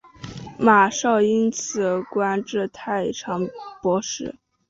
马韶因此官至太常博士。